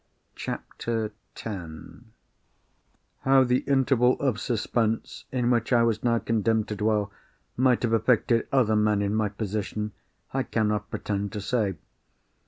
CHAPTER X How the interval of suspense in which I was now condemned might have affected other men in my position, I cannot pretend to say.